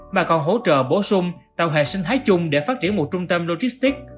mà còn hỗ trợ bổ sung tàu hệ sinh thái chung để phát triển một trung tâm logistic